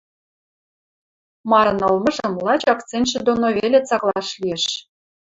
Марын ылмыжым лач акцентшӹ доно веле цаклаш лиэш.